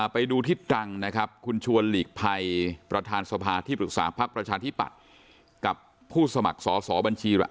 ไปดูทิศจังนะครับคุณชวนหลีกภัยประธานสภาที่ปรึกษาภาคประชาธิบัตร